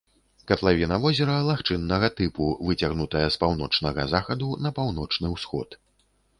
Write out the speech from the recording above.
Катлавіна возера лагчыннага тыпу, выцягнутая з паўночнага захаду на паўночны ўсход.